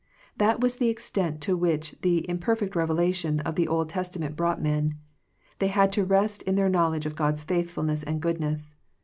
That was the extent to which the im perfect revelation of the Old Testament brought men. They had to rest in their knowledge of God's faithfulness and goodness.